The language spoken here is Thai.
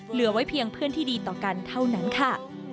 เหลือไว้เพียงเพื่อนที่ดีต่อกันเท่านั้นค่ะ